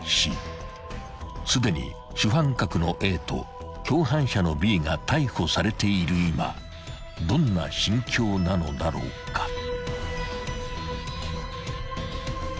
［すでに主犯格のＡと共犯者のＢが逮捕されている今どんな心境なのだろうか？］